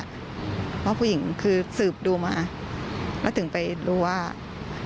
เพราะฝ่าผู้หญิงคือยุคอัพสรุปดูมาหรือถึงรู้ว่ามีรูปเขา